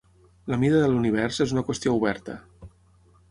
La mida de l'univers és una qüestió oberta.